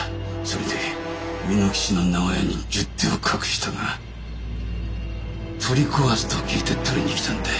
それで蓑吉の長屋に十手を隠したが取り壊すと聞いて取りに来たんだ。